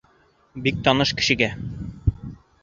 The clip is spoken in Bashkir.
Бик таныш кешегә!